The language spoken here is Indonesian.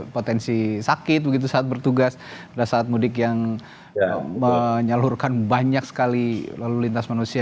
potensi sakit begitu saat bertugas pada saat mudik yang menyalurkan banyak sekali lalu lintas manusia